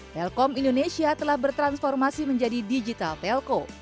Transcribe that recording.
telekom indonesia telah bertransformasi menjadi digital telco